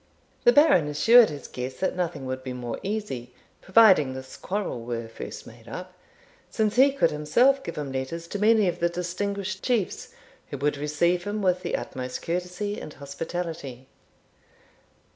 The Baron assured his guest that nothing would be more easy, providing this quarrel were first made up, since he could himself give him letters to many of the distinguished chiefs, who would receive him with the utmost courtesy and hospitality.